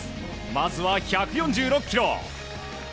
まずは、１４６キロ。